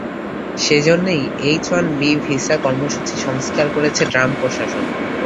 সে জন্যই H one B visa কর্মসূচি সংস্কার করেছে ট্রাম্প প্রশাসন।